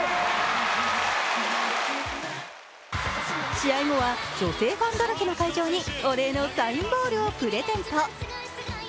試合後は女性ファンだらけの会場にお礼のサインボールをプレゼント。